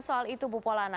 soal itu bu polana